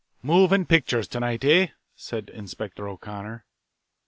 "Moving pictures to night, eh?" said Inspector O'Connor.